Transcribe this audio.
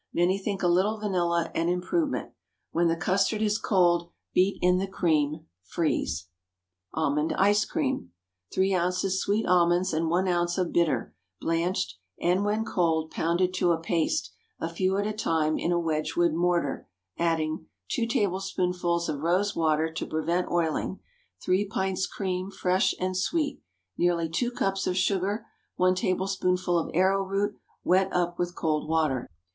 Many think a little vanilla an improvement. When the custard is cold, beat in the cream. Freeze. ALMOND ICE CREAM. 3 oz. sweet almonds and 1 oz. of bitter, blanched, and, when cold, pounded to a paste, a few at a time, in a Wedgewood mortar, adding 2 tablespoonfuls of rose water to prevent oiling. 3 pints cream—fresh and sweet. Nearly 2 cups of sugar. 1 tablespoonful of arrowroot, wet up with cold water.